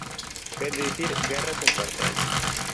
Quere dicir «guerra sen cuartel».